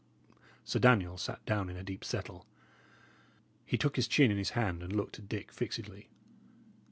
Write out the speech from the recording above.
Sir Daniel sat down in a deep settle. He took his chin in his hand and looked at Dick fixedly.